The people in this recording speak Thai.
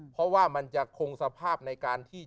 เพราะว่ามันจะคงสภาพในการที่